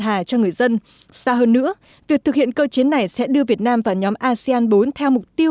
hài cho người dân xa hơn nữa việc thực hiện cơ chế này sẽ đưa việt nam vào nhóm asean bốn theo mục tiêu